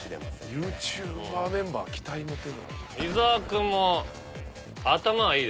ＹｏｕＴｕｂｅｒメンバー期待持てるな。